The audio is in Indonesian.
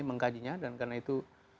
mengkajinya dan karena itu